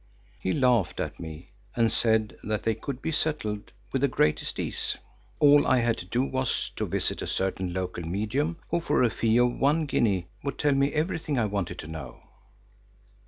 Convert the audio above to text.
He laughed at me and said that they could be settled with the greatest ease. All I had to do was to visit a certain local medium who for a fee of one guinea would tell me everything I wanted to know.